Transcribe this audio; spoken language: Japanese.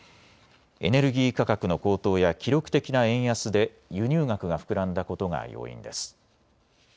エネルギー価格の高騰や記録的な円安で輸入額が膨らんだことが要因です。